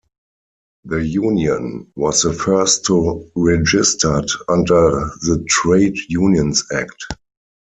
The union was the first to registered under the Trade Unions Act.